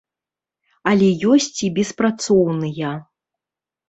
Але ёсць і беспрацоўныя.